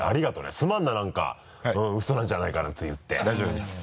すまんな何かウソなんじゃないかなんて言って大丈夫です。